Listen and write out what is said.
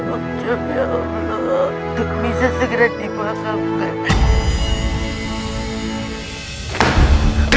untuk bisa segera dipahamkan